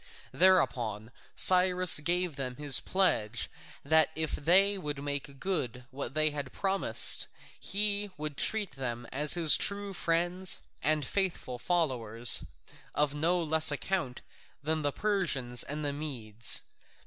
Thereupon Cyrus gave them his pledge that if they would make good what they promised he would treat them as his true friends and faithful followers, of no less account than the Persians and the Medes.